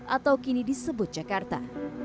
atau kini disebut jakarta